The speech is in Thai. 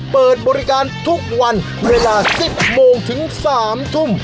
เปิดบริการทุกวันเวลา๑๐โมงถึง๓ทุ่ม